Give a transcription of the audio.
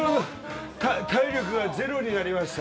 体力がゼロになりました。